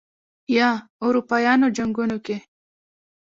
یا اروپايانو جنګونو کې